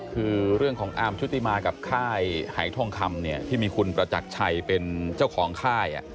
คือเรื่องของอาร์มชุติมากับค่ายหายทองคำเนี่ยที่มีคุณประจักรชัยเป็นเจ้าของค่าย